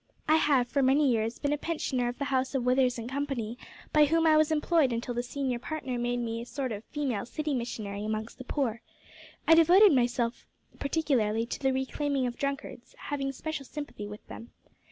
I have for many years been a pensioner of the house of Withers and Company, by whom I was employed until the senior partner made me a sort of female city missionary amongst the poor. I devoted myself particularly to the reclaiming of drunkards having special sympathy with them.